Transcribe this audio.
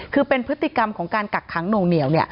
คือเป็นพฤติกรรมของการกักขังหน่วงเหนียว